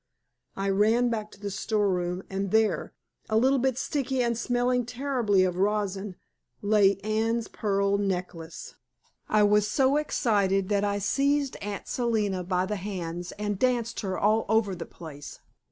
I ran back to the store room, and there, a little bit sticky and smelling terribly of rosin, lay Anne's pearl necklace! I was so excited that I seized Aunt Selina by the hands and danced her all over the place.